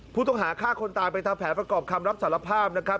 ผู้ต้องหาฆ่าคนตายไปทะแผลประกอบคำรับสารภาพ